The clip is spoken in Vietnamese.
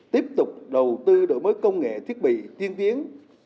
tiếp tục đầu tư đổi mới công nghệ thiết bị tiên tiến